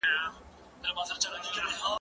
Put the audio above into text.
ته ولي بوټونه پاکوې